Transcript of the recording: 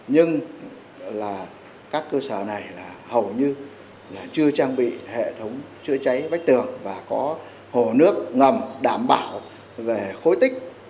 nhưng là các cơ sở này là hầu như là chưa trang bị hệ thống chữa cháy vách tường và có hồ nước ngầm đảm bảo về khối tích